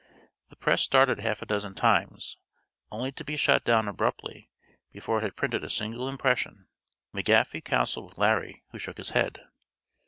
The press started half a dozen times, only to be shut down abruptly before it had printed a single impression. McGaffey counseled with Larry, who shook his head.